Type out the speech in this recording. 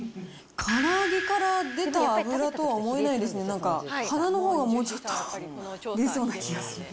から揚げから出た油とは思えないですね、なんか、鼻のほうがもうちょっと出そうな気がする。